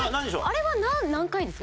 あれは何回です？